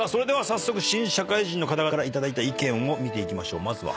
早速新社会人の方から頂いた意見を見ていきましょう。